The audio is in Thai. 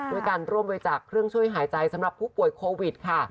ด้วยการร่วมบริจาคเครื่องช่วยหายใจสำหรับผู้ป่วยโควิดค่ะ